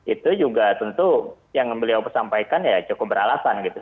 itu juga tentu yang beliau sampaikan ya cukup beralasan gitu